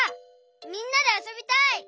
みんなであそびたい！